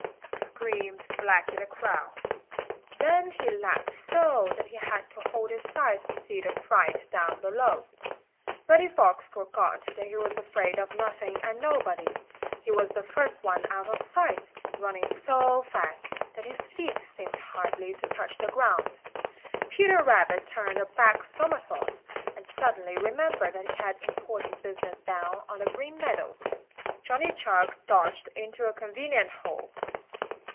screamed Blacky the Crow. Then he laughed so that he had to hold his sides to see the fright down below. Reddy Fox forgot that he was afraid of nothing and nobody. He was the first one out of sight, running so fast that his feet seemed hardly to touch the ground. Peter Rabbit turned a back somersault and suddenly remembered that he had important business down on the Green Meadows. Johnny Chuck dodged into a convenient hole.